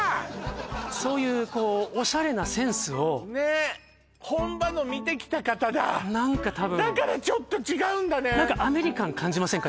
そういうオシャレなセンスをねっ本場の見てきた方だ何か多分だからちょっと違うんだねアメリカン感じませんか？